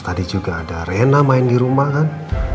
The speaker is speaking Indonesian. tadi juga ada rena main dirumah kan